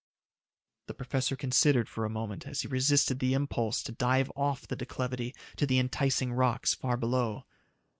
The professor considered for a moment as he resisted the impulse to dive off the declivity to the enticing rocks far below.